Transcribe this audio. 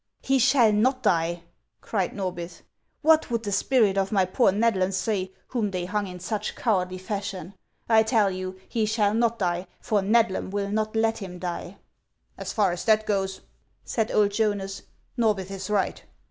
" He shall not die !" cried Xorbith. " What would the spirit of my poor Xedlam say, whom they hung in such cowardly fashion ? I tell you he shall not die ; for Xedlam will not let him die !"" As far as that goes," said old Jonas, " Xorbith is right.